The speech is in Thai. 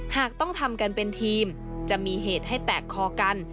หากต้องทำกันเป็นทีมจะมีเหตุให้แตกคอกัน